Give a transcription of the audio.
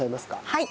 はい！